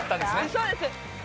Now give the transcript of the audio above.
そうです。